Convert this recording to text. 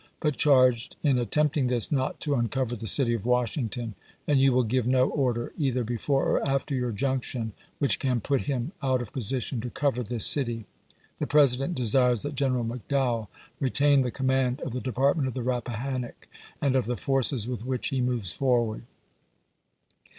. but charged, in attempting this, not to uncover the city of Washington ; and you will give no order, either before or after your junction, which can put him out of position to cover this city. .. The President desires that General McDowell retain the command of the Department of the Rappahannock, and of the forces with which he moves forward.